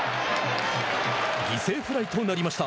犠牲フライとなりました。